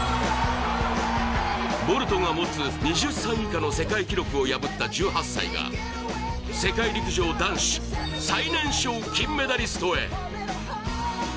ボルトが持つ２０歳以下の世界記録を破った１８歳が世界陸上男子最年少金メダリストへ。